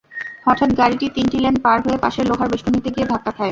হঠাৎ গাড়িটি তিনটি লেন পার হয়ে পাশের লোহার বেষ্টনীতে গিয়ে ধাক্কা খায়।